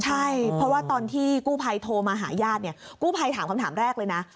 ใช่เพราะว่าตอนที่กู้ภัยโทรมาหาญาติเนี่ยกู้ภัยถามคำถามแรกเลยนะ